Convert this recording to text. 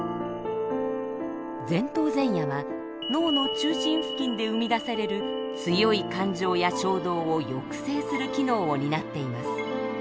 前頭前野は脳の中心付近で生み出される強い感情や衝動を抑制する機能を担っています。